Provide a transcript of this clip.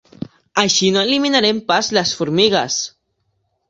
Així no eliminarem pas les formigues!